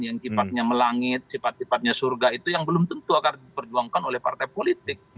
yang sifatnya melangit sifat sifatnya surga itu yang belum tentu akan diperjuangkan oleh partai politik